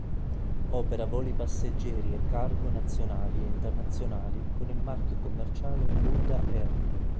Opera voli passeggeri e cargo nazionali e internazionali con il marchio commerciale Buddha Air.